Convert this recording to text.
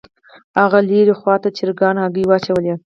هاغو لرې خوا ته چرګانو هګۍ واچولې